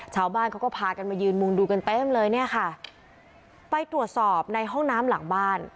ชาวบ้านเขาก็พากันมายืนมุงดูกันเต็มเลยเนี่ยค่ะไปตรวจสอบในห้องน้ำหลังบ้าน